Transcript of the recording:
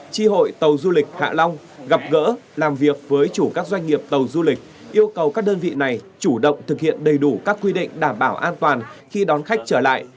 tri hội tàu du lịch hạ long gặp gỡ làm việc với chủ các doanh nghiệp tàu du lịch yêu cầu các đơn vị này chủ động thực hiện đầy đủ các quy định đảm bảo an toàn khi đón khách trở lại